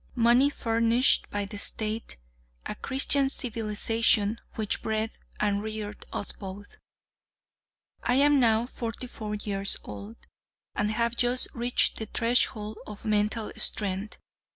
Money furnished by the State a Christian civilization which bred and reared us both. I am now forty four years old, and have just reached the threshold of mental strength.